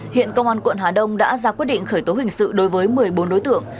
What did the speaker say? hiện công an quận hà đông đã ra quyết định khởi tố hình sự đối với một mươi bốn đối tượng